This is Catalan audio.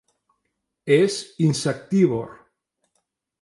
És insectívor.